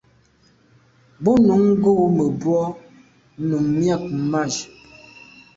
Bo num ngù mebwô num miag mage.